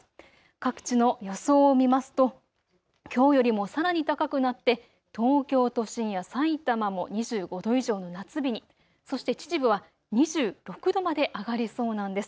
各地の予想を見ますと、きょうよりもさらに高くなって東京都心やさいたまも２５度以上の夏日に、そして秩父は２６度まで上がりそうなんです。